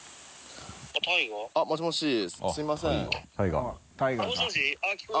すいません